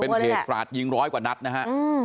เป็นเพจกราดยิงร้อยกว่านัดนะฮะ